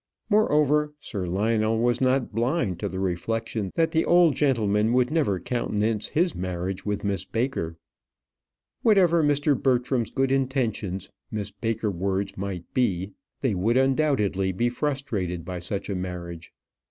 Moreover, Sir Lionel was not blind to the reflection that the old gentleman would never countenance his marriage with Miss Baker. Whatever Mr. Bertram's good intentions Miss Baker wards might be, they would undoubtedly be frustrated by such a marriage.